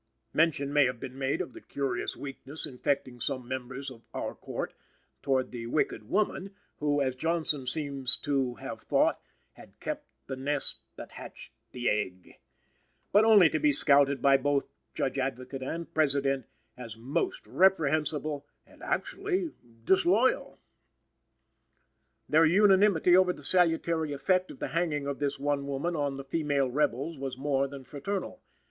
Mention may have been made of the curious weakness infecting some members of "our Court" towards the wicked woman, who, as Johnson seems then to have thought, "had kept the nest that hatched the egg;" but only to be scouted by both Judge Advocate and President as most reprehensible and actually disloyal. Their unanimity over the salutary effect of the hanging of this one woman on the female rebels was more than fraternal.